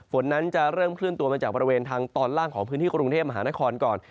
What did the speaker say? ฝนนั้นจะเริ่มเคลื่อนตัวมาจากบริเวณทางตอนล่างของพื้นที่กรุงเทพมหานครก่อน